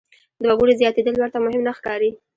د وګړو زیاتېدل ورته مهم نه ښکاري.